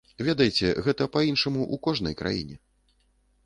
Ведаеце, гэта па-іншаму ў кожнай краіне.